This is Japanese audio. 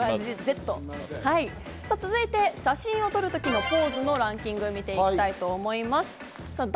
続いて写真を撮るときのポーズのランキングを見ていきたいと思います。